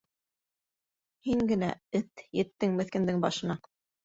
Һин генә, эт, еттең меҫкендең башына!